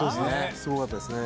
すごかったですね。